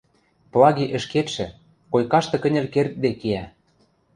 Плаги ӹшкетшӹ, койкашты кӹньӹл кердде киӓ.